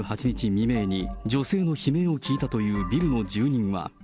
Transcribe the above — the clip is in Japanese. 未明に女性の悲鳴を聞いたというビルの住人は。